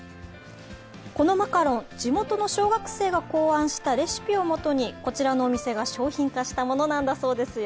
このマカロン、地元の小学生が考案したレシピをもとにこちらのお店が商品化したものなんだそうですよ。